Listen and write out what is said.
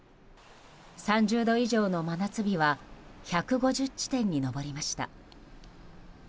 ３０度以上の真夏日は１５０地点に上りました。